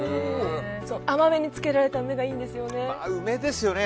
甘めに漬けられた梅がいいんですよね。